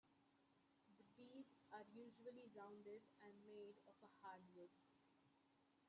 The beads are usually rounded and made of a hardwood.